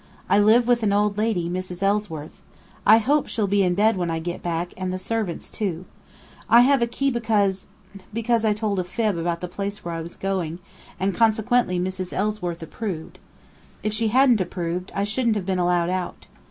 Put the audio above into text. I live with an old lady, Mrs. Ellsworth. I hope she'll be in bed when I get back, and the servants, too. I have a key because because I told a fib about the place where I was going, and consequently Mrs. Ellsworth approved. If she hadn't approved, I shouldn't have been allowed out.